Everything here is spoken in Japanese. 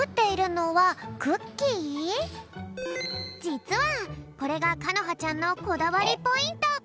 じつはこれがかのはちゃんのこだわりポイント！